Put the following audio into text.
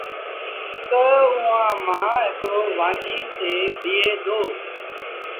تا اُئآݩ مآݩ هڪڙو وآنجھي تي بيٚهي دو۔